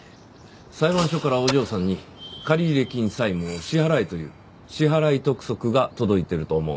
裁判所からお嬢さんに借入金債務を支払えという支払督促が届いてると思うんですが。